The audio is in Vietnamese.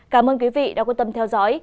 cảm ơn quý vị đã quan tâm theo dõi